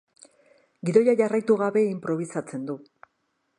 Gidoia jarraitu gabe inprobisatzen du.